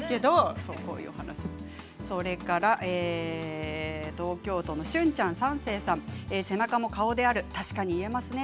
それから東京都の方背中も顔である確かに言えますね。